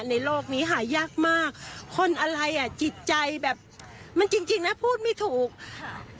โลกนี้หายากมากคนอะไรอ่ะจิตใจแบบมันจริงจริงนะพูดไม่ถูกค่ะ